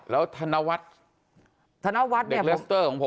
แล้วธนาวัฒน์